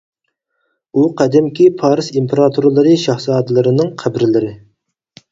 ئۇ قەدىمكى پارس ئىمپېراتورلىرى شاھزادىلىرىنىڭ قەبرىلىرى.